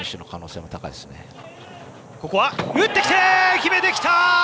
決めてきた！